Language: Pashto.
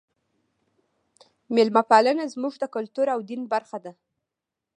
میلمه پالنه زموږ د کلتور او دین برخه ده.